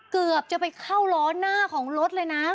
เกือบจะไปเข้าล้อหน้าของรถเลยนะ